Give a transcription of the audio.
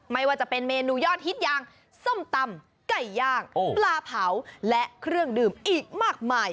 ไม่ว่าจะเป็นเมนูยอดฮิตอย่างส้มตำไก่ย่างปลาเผาและเครื่องดื่มอีกมากมาย